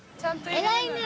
偉いね。